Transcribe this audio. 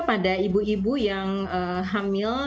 pada ibu ibu yang hamil